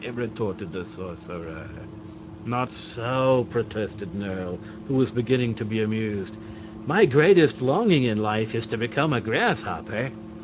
retorted the sorcerer. "Not so!" protested Nerle, who was beginning to be amused. "My greatest longing in life is to become a grasshopper."